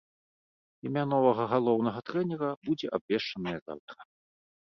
Імя новага галоўнага трэнера будзе абвешчанае заўтра.